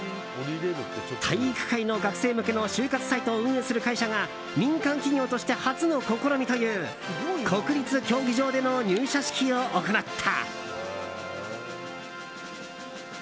体育会の学生向けの就活サイトを運営する会社が民間企業として初の試みという国立競技場での入社式を行った。